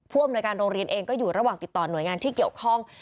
อำนวยการโรงเรียนเองก็อยู่ระหว่างติดต่อหน่วยงานที่เกี่ยวข้อง